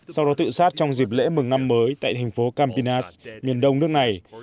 sau đó tự sát trong dịp lễ mừng năm mới tại thành phố kampinas miền đông nước này